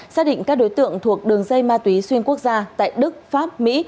xác định các đối tượng thuộc đường dây ma túy xuyên quốc gia tại đức pháp mỹ